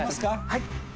はい。